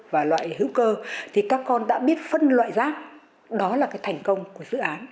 và loại hữu cơ thì các con đã biết phân loại rác đó là cái thành công của dự án